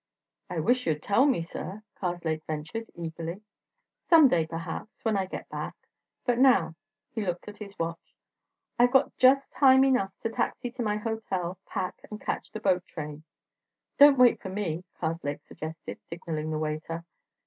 "I wish you'd tell me, sir," Karslake ventured, eagerly. "Some day, perhaps, when I get back. But now"—he looked at his watch—"I've got just time enough to taxi to my hotel, pack, and catch the boat train." "Don't wait for me," Karslake suggested, signalling the waiter.